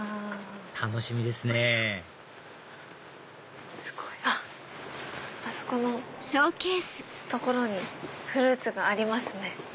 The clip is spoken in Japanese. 楽しみですねすごい！あそこの所にフルーツがありますね。